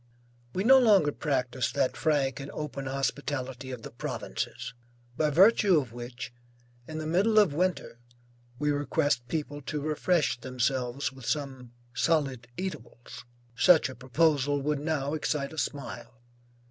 We no longer practice that frank and open hospitality of the provinces, by virtue of which, in the middle of winter, we request people to refresh themselves with some solid eatables. Such a proposal would now excite a smile.